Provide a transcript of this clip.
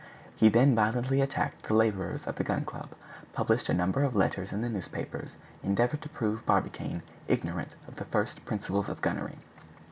He then violently attacked the labors of the Gun Club, published a number of letters in the newspapers, endeavored to prove Barbicane ignorant of the first principles of gunnery.